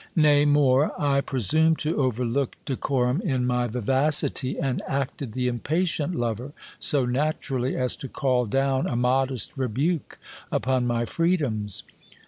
Nay, more, I presumed to overlook decorum in my vivacity, and acted the impatient lover so naturally as to call down a modest rebuke upon my freedoms.